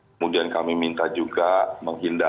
kemudian kami minta juga menghindar